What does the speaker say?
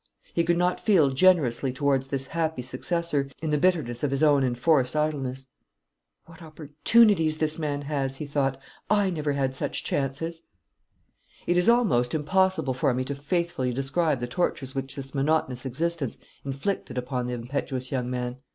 He could not feel generously towards this happy successor, in the bitterness of his own enforced idleness. "What opportunities this man has!" he thought; "I never had such chances." It is almost impossible for me to faithfully describe the tortures which this monotonous existence inflicted upon the impetuous young man.